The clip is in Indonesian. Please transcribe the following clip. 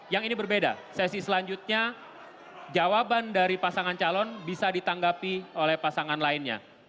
yang ini berbeda sesi selanjutnya jawaban dari pasangan calon bisa ditanggapi oleh pasangan lainnya